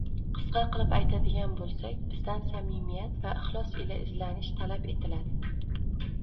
Qisqa qilib aytadigan bo‘lsak, bizdan samimiyat va ixlos ila izlanish talab etiladi.